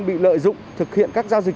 bị lợi dụng thực hiện các giao dịch